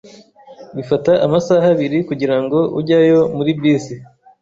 Bifata amasaha abiri kugirango ujyayo muri bisi.